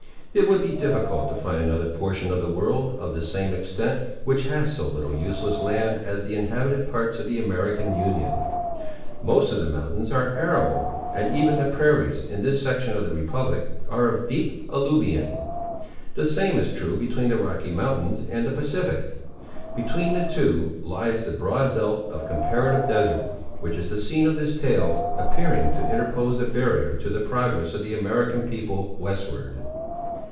It would be difficult to find another portion of the world, of the same extent, which has so little useless land as the inhabited parts of the American Union. Most of the mountains are arable, and even the prairies, in this section of the republic, are of deep alluvion. The same is true between the Rocky Mountains and the Pacific. Between the two lies the broad belt, of comparative desert, which is the scene of this tale, appearing to interpose a barrier to the progress of the American people westward.